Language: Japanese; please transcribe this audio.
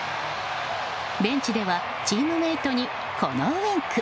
ベンチではチームメートにこのウィンク。